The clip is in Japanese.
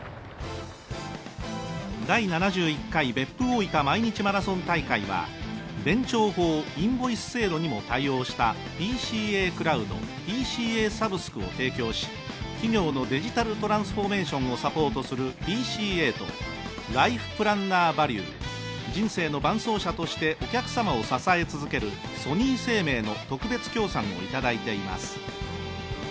第７１回別府大分毎日マラソン大会は電帳法・インボイス制度にも対応したＰＣＡクラウド、ＰＣＡサブスクを提供し企業のデジタルトランスフォーメーションをサポートするＰＣＡとライフプランナーバリュー、人生の伴走者としてお客様を支え続けるソニー生命の特別協賛をいただいています。